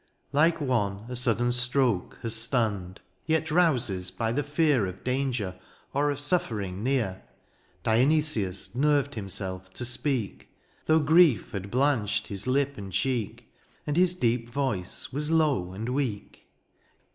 Like one a sudden stroke Has stunned, yet rouses by the fear Of danger or of suffering near, Dionysius nerved himself to speak, Though grief had blanched his lip and cheek. And his deep voice was low and weak.